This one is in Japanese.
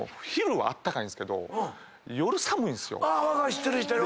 知ってる知ってる。